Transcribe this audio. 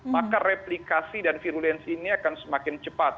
maka replikasi dan virulensi ini akan semakin cepat